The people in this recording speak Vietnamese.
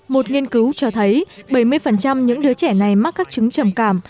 một nghiên cứu cho thấy bảy mươi những đứa trẻ này mắc các chứng trầm cảm